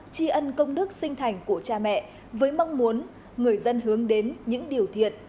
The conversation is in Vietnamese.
chi ân công đức sinh thành của cha mẹ với mong muốn người dân hướng đến những điều thiệt